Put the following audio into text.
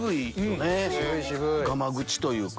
がまぐちというか。